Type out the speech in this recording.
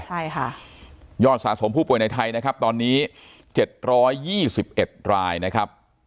ใช่ค่ะยอดสะสมผู้ป่วยในไทยนะครับตอนนี้เจ็ดร้อยยี่สิบเอ็ดรายนะครับ